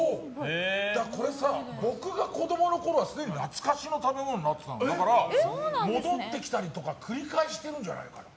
これ、僕が子供のころはすでに懐かしの食べ物になってたから戻ってきたりとか繰り返してるんじゃないかな。